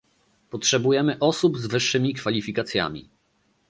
Potrzebujemy osób z wyższymi kwalifikacjami